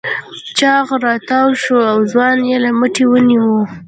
چاغ راتاوشو ځوان يې له مټې ونيو.